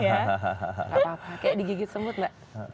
gak apa apa kayak digigit semut gak